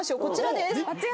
こちらです。